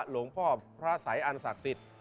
หลวงพ่อพระสัยอันศักดิ์สิทธิ์